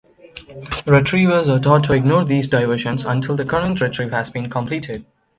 Retrievers are taught to ignore these "diversions" until the current retrieve has been completed.